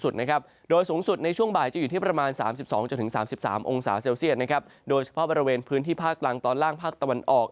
โดยเฉพาะบริเวณพื้นที่ภาคกลางตอนล่างภาคตะวันออก